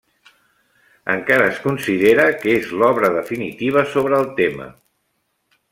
Encara es considera que és l'obra definitiva sobre el tema.